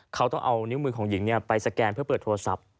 เขาต้องเอานิ้วมือของหญิงเปิดโทรศัพท์